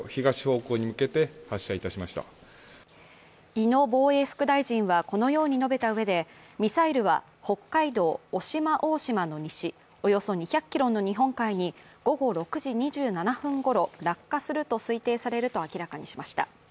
井野防衛副大臣はこのように述べたうえでミサイルは北海道渡島大島の西、およそ２００ｋｍの日本海に午後６時２７分ごろ落下すると推定されると明らかにしました。